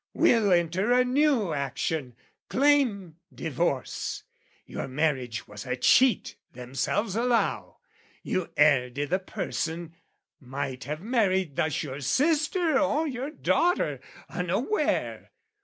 "We'll enter a new action, claim divorce: "Your marriage was a cheat themselves allow: "You erred i' the person, might have married thus "Your sister or your daughter unaware.